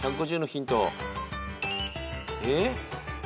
えっ？